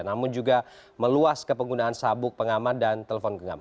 namun juga meluas kepenggunaan sabuk pengaman dan telepon genggam